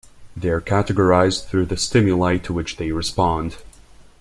They are categorized through the stimuli to which they respond.